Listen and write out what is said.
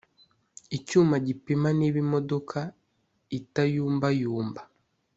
Icyuma gipima niba imodoka itayumbayumba.